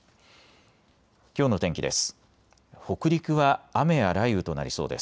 きょうの天気です。